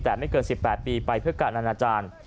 แต่ไม่เกิน๑๘ปีไปเพื่อการอนาจารย์